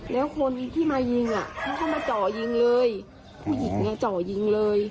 แล้วคนที่มายิงอ่ะเขาก็มาเจาะยิงเลยผู้หญิงเนี่ยเจาะยิงเลย